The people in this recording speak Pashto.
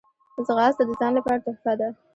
ځغاسته د ځان لپاره تحفه ده